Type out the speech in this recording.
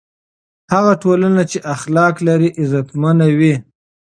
هغه ټولنه چې اخلاق لري، عزتمنه وي.